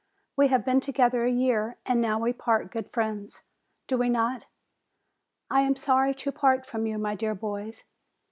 We have been together a year, and now we part good friends, do we not? I am sorry to part from you, my dear boys."